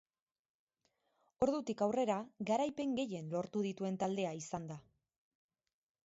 Ordutik aurrera garaipen gehien lortu dituen taldea izan da.